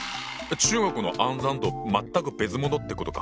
中国の「暗算」と全く別物ってことか。